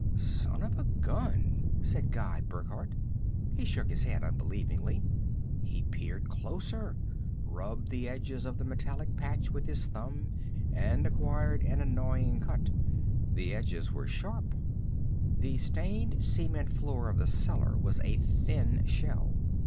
"Son of a gun," said Guy Burckhardt. He shook his head unbelievingly. He peered closer, rubbed the edges of the metallic patch with his thumb and acquired an annoying cut the edges were sharp. The stained cement floor of the cellar was a thin shell.